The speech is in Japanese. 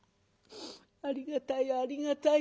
「ありがたいありがたい。